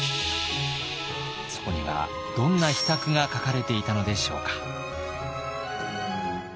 そこにはどんな秘策が書かれていたのでしょうか。